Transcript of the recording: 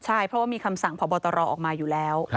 ใช่เพราะว่ามีคำสั่งพบตรออกมาอยู่แล้ว